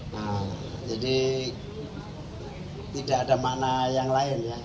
nah jadi tidak ada makna yang lain ya